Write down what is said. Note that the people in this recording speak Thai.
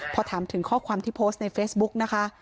พอถามถึงข้อความที่โพสต์ในเฟซบุ๊กนะคะ